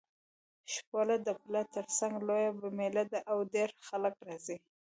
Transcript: شپوله د پله تر څنګ لویه مېله ده او ډېر خلک راځي.